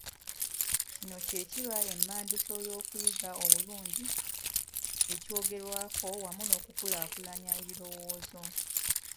Kino kye kiba emmanduso y’okuyiga obulungi ekyogerwako wamu n’okukulaakulanya ebirowoozo.